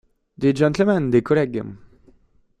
Des gentlemen! des collègues !